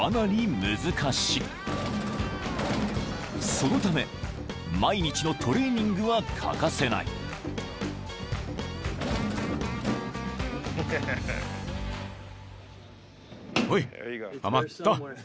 ［そのため毎日のトレーニングは欠かせない］ほい。